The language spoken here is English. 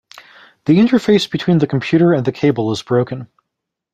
The interface between the computer and the cable is broken.